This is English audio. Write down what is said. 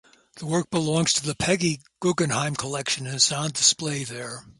The work belongs to the Peggy Guggenheim Collection and is on display there.